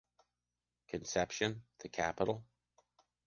Concepcion, the capital.